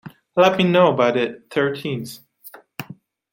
Let me know by the thirteenth.